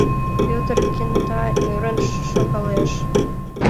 Пӧтыр кенета ӧрын шогалеш.